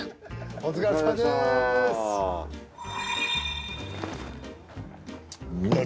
お疲れさまでした。